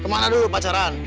kemana dulu pacaran